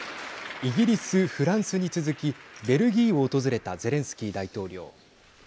イギリス、フランスに続きベルギーを訪れたゼレンスキー大統領。